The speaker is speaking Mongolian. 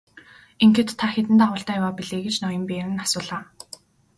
Ингэхэд та хэдэн дагуултай яваа билээ гэж ноён Берн асуулаа.